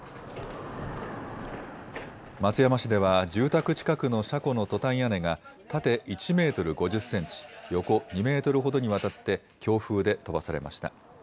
松山市では住宅近くの車庫のトタン屋根が、縦１メートル５０センチ、横２メートルほどにわたって強風で飛ばされました。